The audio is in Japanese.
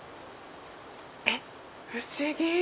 えっ不思議。